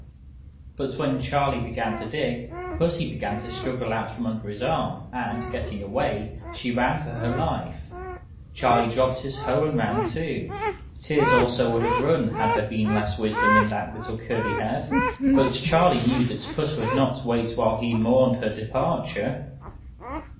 But when Charlie began to dig, Pussy began to struggle out from under his arm, and, getting away, she ran for her life. Charlie dropped his hoe and ran too. Tears also would have run had there been less wisdom in that little curly head. But Charlie knew that Puss would not wait while he mourned her departure!